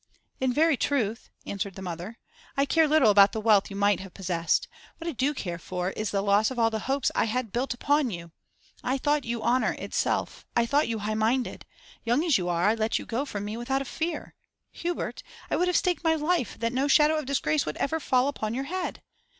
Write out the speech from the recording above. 'In very truth,' answered the mother, 'I care little about the wealth you might have possessed. What I do care for is the loss of all the hopes I had built upon you. I thought you honour itself; I thought you high minded. Young as you are, I let you go from me without a fear. Hubert, I would have staked my life that no shadow of disgrace would ever fall upon your head!